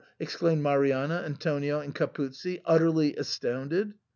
" exclaimed Marianna, Antonio, and Cap uzzi, utterly astounded.